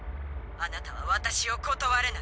あなたは私を断れない。